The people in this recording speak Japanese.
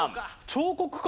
彫刻家？